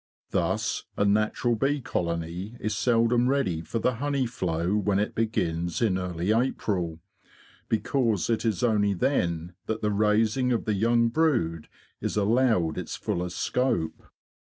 Thus a natural bee colony is seldom ready for the honey flow when it begins in early April, because it is only then that the raising of the young brood is allowed its fullest scope.